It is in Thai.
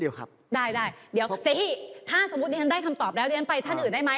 เดี๋ยวเซฮีถ้าสมมุติท่านได้คำตอบแล้วท่านอื่นได้ไหม